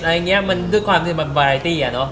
อย่างนี้มันด้วยความที่มันบาราตี้อะเนาะ